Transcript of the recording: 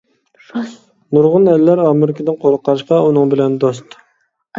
نۇرغۇن ئەللەر ئامېرىكىدىن قورققاچقا ئۇنىڭ بىلەن دوست.